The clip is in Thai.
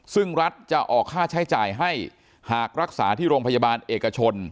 ซึ่งรัฐจะออกค่าใช้จ่ายให้หากรักษาที่โรงพยาบาลเอกชน